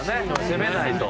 攻めないと。